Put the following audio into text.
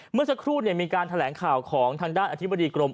เมื่อสักครู่มีการแถลงข่าวของทางด้านอธิบดีกรม